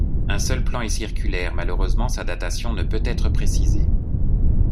Un seul plan est circulaire, malheureusement sa datation ne peut être précisée.